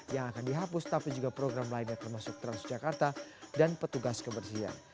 yang akan dihapus tapi juga program lainnya termasuk transjakarta dan petugas kebersihan